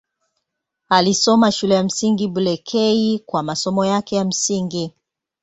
Alisoma Shule ya Msingi Bulekei kwa masomo yake ya msingi.